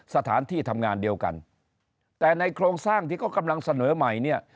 สถานที่ทำงานเดียวกันแต่ในโครงสร้างที่เขากำลังเสนอใหม่เนี่ย